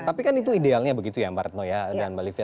tapi kan itu idealnya begitu ya mbak retno ya dan mbak livia